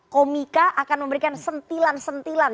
komika akan memberikan sentilan sentilan